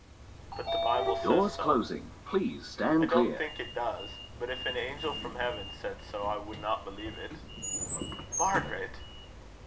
"But the Bible says so." "I don't think it does; but if an angel from heaven said so, I would not believe it." "Margaret!"